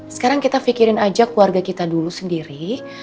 sekarang kita pikirin ajak keluarga kita dulu sendiri